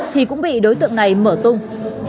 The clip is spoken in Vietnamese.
thì cũng bị đối tượng này mở tung